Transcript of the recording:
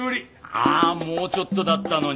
あもうちょっとだったのに。